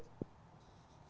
nhé ừ ừ